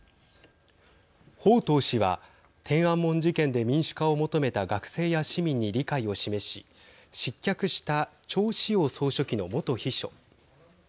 鮑とう氏は天安門事件で民主化を求めた学生や市民に理解を示し失脚した趙紫陽総書記の元秘書。